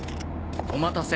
お待たせ！